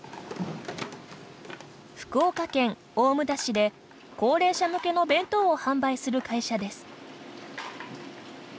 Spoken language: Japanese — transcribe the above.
福岡県大牟田市で高齢者向けの弁当を販売する会社です。